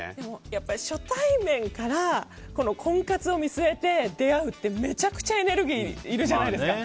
やっぱり初対面から婚活を見据えて出会うってめちゃくちゃエネルギーいるじゃないですか。